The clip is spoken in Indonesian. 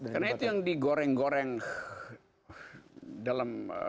karena itu yang digoreng goreng dalam